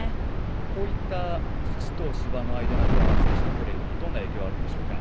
こういった土と芝の間などは選手のプレーにどんな影響あるんでしょうか？